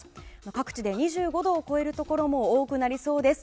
各地で２５度を超えるところも多くなりそうです。